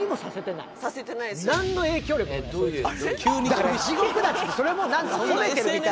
だから「地獄」だってそれもなんか褒めてるみたい。